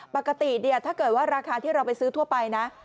ปกติเนี่ยถ้าเกิดว่าราคาที่เราไปซื้อทั่วไปนะ